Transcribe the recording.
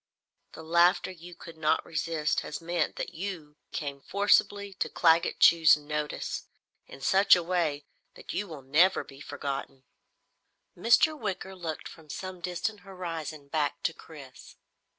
"The laughter you could not resist has meant that you came forcibly to Claggett Chew's notice in such a way that you will never be forgotten." Mr. Wicker looked from some distant horizon back to Chris.